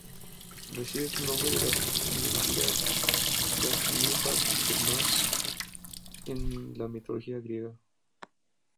Recibe su nombre de las nereidas, las ninfas del mar en la mitología griega.